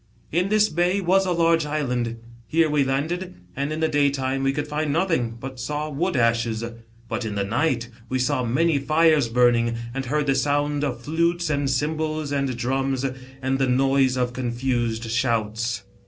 " In this bay was a large island. Here we landed, and in the daytime we could find nothing, but saw wood ashes ; but in the night we saw many fires burning, and heard the sound of flutes, and cymbals, and drums, and the noise of confused shouts.